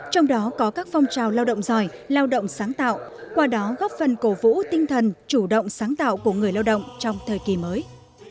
trong đó có các phong trào lao động giỏi lao động sáng tạo qua đó góp phần cổ vũ tinh thần chủ động sáng tạo của người lao động trong thời kỳ mới